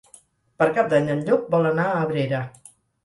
Per Cap d'Any en Llop vol anar a Abrera.